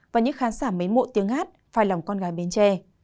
và những khán giả mấy mộ tiếng hát phai lòng con gái bến tre